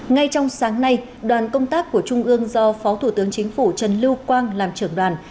ngay trong sáng nay đoàn công tác của trung ương do phó thủ tướng chính phủ trần lưu quang làm trưởng đoàn